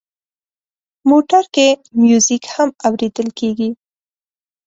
موټر کې میوزیک هم اورېدل کېږي.